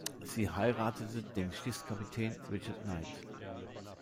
Sie heiratete den Schiffskapitän Richard Knight.